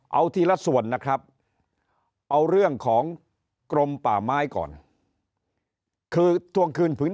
เอาทีละส่วนนะครับเอาเรื่องของกรมป่าไม้ก่อนคือทวงคืนผืน